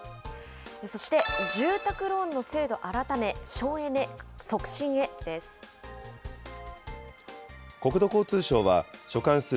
そして住宅ローンの制度改め、省エネ促進へです。